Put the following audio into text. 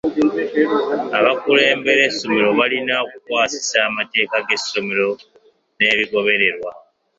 Abakulembera essomero balina okukkwasisa amateeka g'essomero n'ebigobererwa.